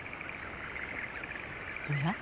おや？